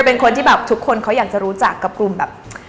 เป็นคนที่แบบทุกคนเขาอยากจะรู้จักกับกลุ่มแบบ